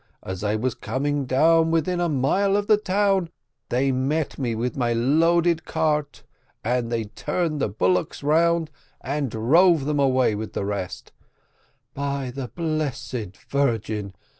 As I was coming down within a mile of the town, they met me with my loaded cart, and they turned the bullocks round and drove them away along with the rest. By the blessed Virgin!